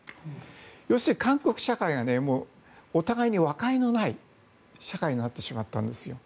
要するに韓国社会がお互いに和解のない社会になってしまったんですよ。